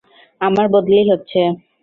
আমার বদলি হচ্ছে।